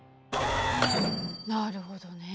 なるほどね。